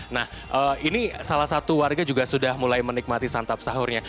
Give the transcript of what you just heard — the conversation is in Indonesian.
nah ini salah satu warga juga sudah mulai menikmati santap sahurnya